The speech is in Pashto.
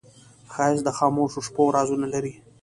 ښایست د خاموشو شپو رازونه لري